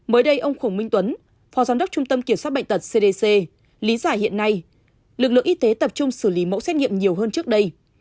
mới đây ông khổng minh tuấn phó giám đốc trung tâm kiểm soát bệnh tật cdc lý giải hiện nay lực lượng y tế tập trung xử lý mẫu xét nghiệm nhiều hơn trước đây